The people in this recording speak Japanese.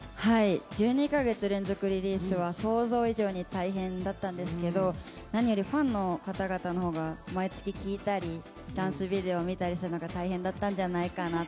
１２カ月連続リリースは想像以上に大変だったんですが何よりファンの方々の方が毎月聴いたりダンスビデオを見たりするのが大変だったんじゃないかなと。